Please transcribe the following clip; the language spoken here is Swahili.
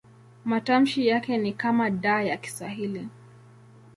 Matamshi yake ni kama D ya Kiswahili.